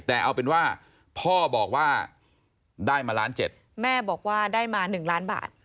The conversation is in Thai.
แต่เอาเป็นว่าพ่อบอกว่าได้มาล้านเจ็ดแม่บอกว่าได้มา๑ล้านบาท